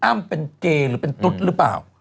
เป็นเกย์หรือเป็นตุ๊ดหรือเปล่า